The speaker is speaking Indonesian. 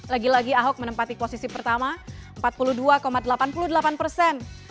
lagi lagi ahok menempati posisi pertama empat puluh dua delapan puluh delapan persen